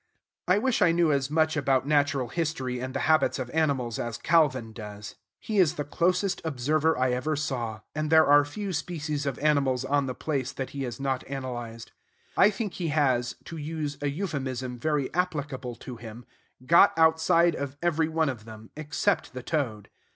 I wish I knew as much about natural history and the habits of animals as Calvin does. He is the closest observer I ever saw; and there are few species of animals on the place that he has not analyzed. I think he has, to use a euphemism very applicable to him, got outside of every one of them, except the toad.